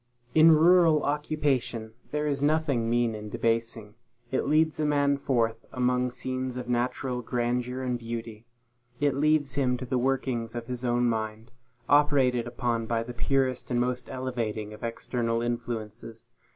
In rural occupation, there is nothing mean and debasing. It leads a man forth among scenes of natural grandeur and beauty; it leaves him to the workings of his own mind, operated upon by the purest and most elevating of external influences.